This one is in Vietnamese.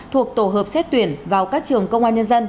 thuộc tổ hợp xét tuyển vào các trường công an nhân dân